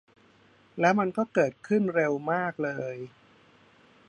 แล้วมันก็เกิดขึ้นเร็วมากเลย